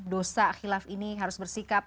dosa khilaf ini harus bersikap